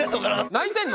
泣いてんの？